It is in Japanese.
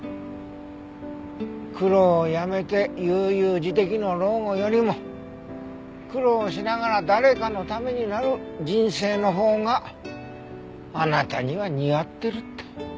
苦労をやめて悠々自適の老後よりも苦労しながら誰かのためになる人生のほうがあなたには似合ってるって。